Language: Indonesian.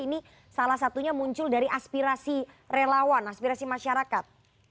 ini salah satunya muncul dari aspirasi relawan aspirasi masyarakat